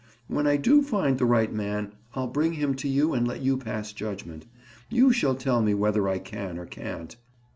When I do find the right man I'll bring him to you and let you pass in judgment. You shall tell me whether I can or can't."